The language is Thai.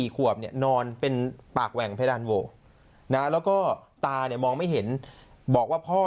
ขวบเนี่ยนอนเป็นปากแหว่งเพดานโวนะแล้วก็ตาเนี่ยมองไม่เห็นบอกว่าพ่อ